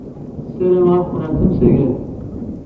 Ssarameɣ ad qqleɣ d tamasgadt.